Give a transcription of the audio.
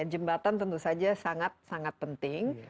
jembatan tentu saja sangat sangat penting